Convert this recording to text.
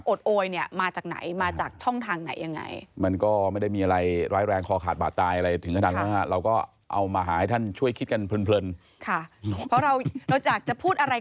โอดโอยมาจากไหนมาจากช่องทางไหนอย่างไร